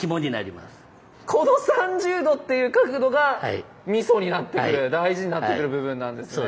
この３０°っていう角度がミソになってくる大事になってくる部分なんですね。